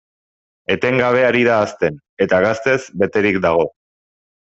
Etengabe ari da hazten, eta gaztez beterik dago.